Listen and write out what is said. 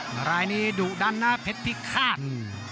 หลายนี้ดุดันนะเผ็ดพิคาร์ด